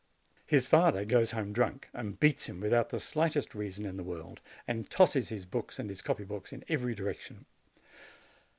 His father goes home drunk, and beats him without the slightest reason in the world, and tosses his books and his copy books in every direction.